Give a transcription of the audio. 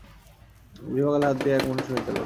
বিভা গালে হাত দিয়া একমনে শুনিতে লাগিল।